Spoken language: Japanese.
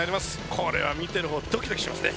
これは見てる方ドキドキしますね